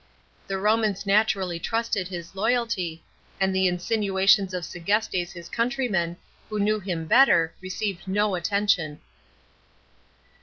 The Romans naturally trusted his loyalty, and the insinuations of Seg( stes his countryman, who knew him beiter, received no attention.